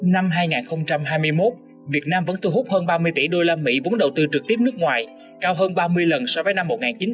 năm hai nghìn hai mươi một việt nam vẫn thu hút hơn ba mươi tỷ usd vốn đầu tư trực tiếp nước ngoài cao hơn ba mươi lần so với năm một nghìn chín trăm chín mươi